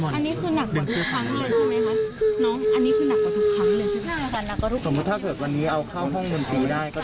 ละก็จะหายอะไร